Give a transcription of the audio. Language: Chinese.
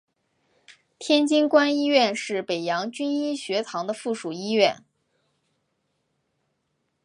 天津官医院是北洋军医学堂的附属医院。